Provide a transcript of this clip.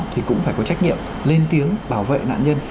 thì cũng phải có trách nhiệm lên tiếng bảo vệ nạn nhân